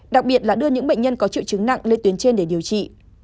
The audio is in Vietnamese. đặc biệt là đưa những bệnh nhân có triệu chứng nặng lên tuyến trên để điều trị